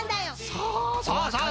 そうそうそう。